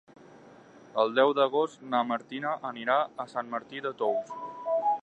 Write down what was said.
El deu d'agost na Martina anirà a Sant Martí de Tous.